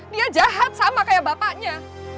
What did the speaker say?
dia jahat sama kayak bapaknya